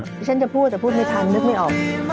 ที่ฉันจะพูดแต่พูดไม่ทันนึกไม่ออก